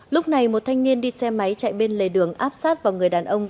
lúc này một thanh niên đi xe máy chạy bên lề đường áp sát vào người đàn ông